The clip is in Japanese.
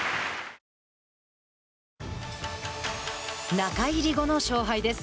中入り後の勝敗です。